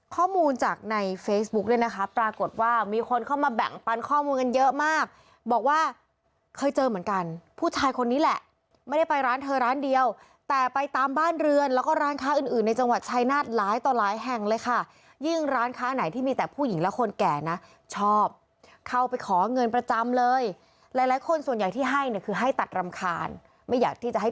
ข้อมูลจากในเฟซบุ๊กด้วยนะครับปรากฏว่ามีคนเข้ามาแบ่งปันข้อมูลกันเยอะมากบอกว่าเคยเจอเหมือนกันผู้ชายคนนี้แหละไม่ได้ไปร้านเธอร้านเดียวแต่ไปตามบ้านเรือนแล้วก็ร้านค้าอื่นในจังหวัดชายหน้าหลายต่อหลายแห่งเลยค่ะยิ่งร้านค้าไหนที่มีแต่ผู้หญิงและคนแก่นะชอบเข้าไปของเงินประจำเลยหลายคนส่วนใหญ